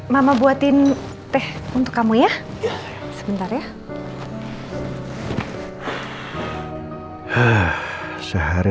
mama buatin teh untuk kamu ya